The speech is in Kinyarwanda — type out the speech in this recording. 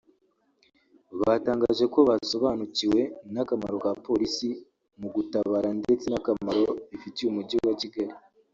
batangaje ko basobanukiwe n’akamaro ka polisi mu gutabara ndetse n’akamaro bifitiye Umujyi wa Kigali